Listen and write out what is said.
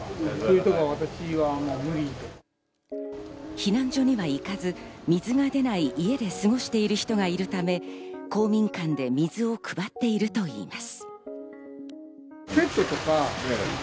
避難所には行かず、水が出ない家で過ごしている人がいるため、公民館で水を配っているといいます。